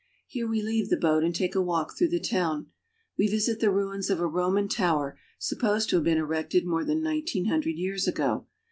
Here we leave the boat and take a walk through the town. We visit the ruins of a Roman tower, supposed to have been erected more than nineteen hundred years ago.